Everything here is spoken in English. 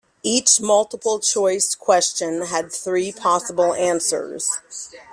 Each multiple-choice question had three possible answers.